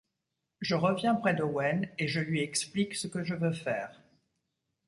Je reviens près d’Owen, et je lui explique ce que je veux faire.